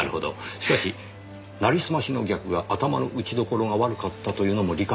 しかしなりすましの逆が頭の打ちどころが悪かったというのも理解不能ですよ。